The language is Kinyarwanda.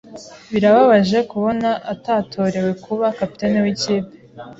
Birababaje kubona atatorewe kuba kapiteni wikipe.